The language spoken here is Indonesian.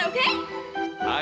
kamar mandi segasana oke